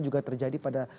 juga terjadi pada